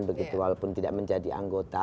begitu walaupun tidak menjadi anggota